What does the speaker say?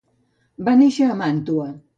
Va néixer a Màntua.